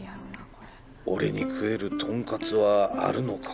俺に食えるとんかつはあるのか？